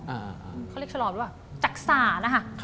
เขาเรียกชะลอมด้วยว่ะจักษานะฮะ